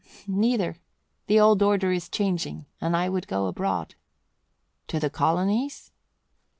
"Neither. The old order is changing and I would go abroad." "To the colonies?"